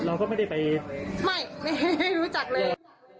เราก็ไม่ได้ไปไม่รู้จักเลย